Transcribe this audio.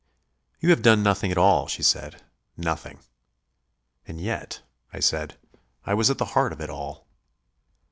"You have done nothing at all," she said. "Nothing." "And yet," I said, "I was at the heart of it all."